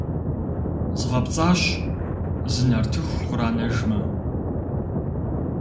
Згъэпцӏащ, зы нартыху къранэжмэ!